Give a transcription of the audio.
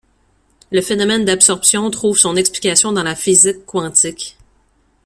Le phénomène d’absorption trouve son explication dans la physique quantique.